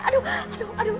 aduh aduh aduh